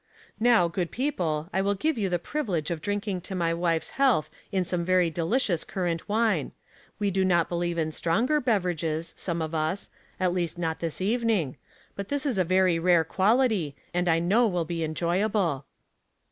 •■'Now, good people, I will give you the privi lege of drinking to my wife's healtli in some very delicious currant wine. We do not believe ^n. btronger beverages, some of us, at least not this evening ; but this is a very rare quality, and 1 know will be enjoyable."